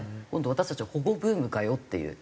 私たちは保護ブームかよっていう。